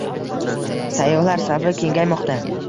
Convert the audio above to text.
Sayyohlar safi kengaymoqda